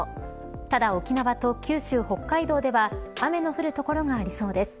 ただ沖縄と九州、北海道では雨の降る所がありそうです。